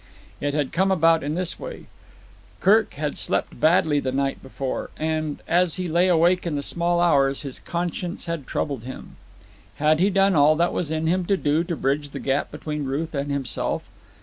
It had come about in this way. Kirk had slept badly the night before, and, as he lay awake in the small hours, his conscience had troubled him. Had he done all that it was in him to do to bridge the gap between Ruth and himself?